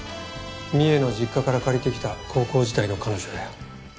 三重の実家から借りてきた高校時代の彼女だよ。